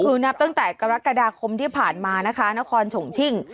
คือนับตั้งแต่กรกฎาคมที่ผ่านมานะคะนครชงชิ่ง